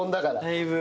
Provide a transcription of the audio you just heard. だいぶ。